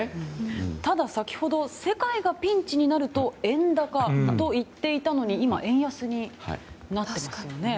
ただ、先ほど世界がピンチになると円高と言っていたのに今、円安になっていますよね。